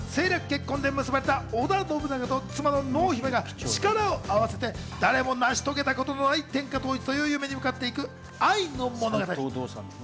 こちらは政略結婚で結ばれた織田信長と妻の濃姫が力を合わせて、誰も成し遂げたことのない天下統一という夢に向かっていく愛の物語。